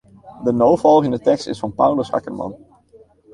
De no folgjende tekst is fan Paulus Akkerman.